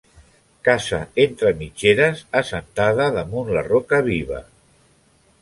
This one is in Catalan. Casa entre mitgeres, assentada damunt la roca viva.